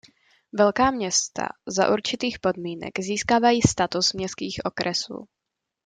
Velká města za určitých podmínek získávají status městských okresů.